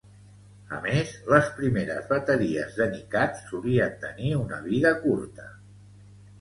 A més, les primeres bateries de NiCad solien tenir una vida curta.